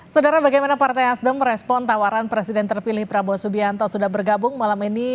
saudara bagaimana partai nasdem merespon tawaran presiden terpilih prabowo subianto sudah bergabung malam ini